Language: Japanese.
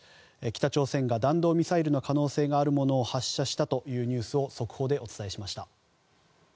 北朝鮮が弾道ミサイルの可能性があるものを発射したというニュースを速報でお伝えしました。